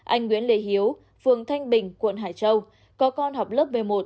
anh nguyễn lê hiếu phường thanh bình quận hải châu có con học lớp b một